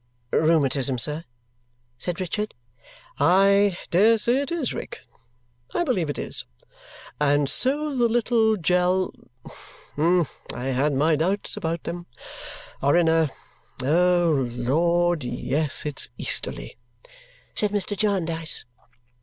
"Rheumatism, sir?" said Richard. "I dare say it is, Rick. I believe it is. And so the little Jell I had my doubts about 'em are in a oh, Lord, yes, it's easterly!" said Mr. Jarndyce.